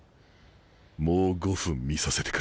もう５分見させてくれ。